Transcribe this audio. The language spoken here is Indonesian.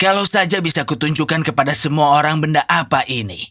kalau saja bisa kutunjukkan kepada semua orang benda apa ini